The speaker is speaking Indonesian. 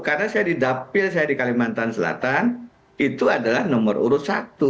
karena saya didapil saya di kalimantan selatan itu adalah nomor urut satu